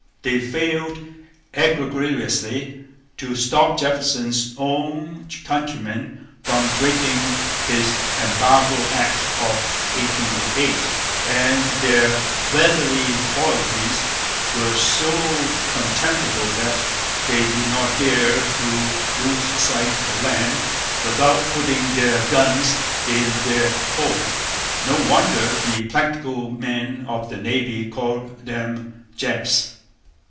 They failed egregiously to stop Jefferson's own countrymen from breaking his Embargo Act of 1808; and their weatherly qualities were so contemptible that they did not dare to lose sight of land without putting their guns in the hold. No wonder the practical men of the Navy called them 'Jeffs.'